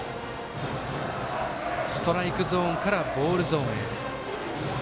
ストライクゾーンからボールゾーンへ。